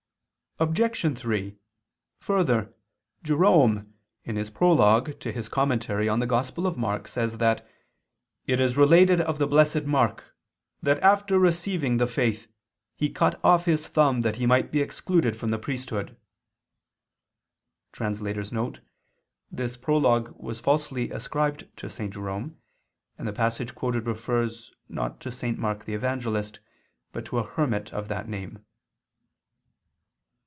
Obj. 3: Further, Jerome (Prologue, super Marc.) says that "it is related of the Blessed Mark* that after receiving the faith he cut off his thumb that he might be excluded from the priesthood." [*This prologue was falsely ascribed to St. Jerome, and the passage quoted refers, not to St. Mark the Evangelist, but to a hermit of that name.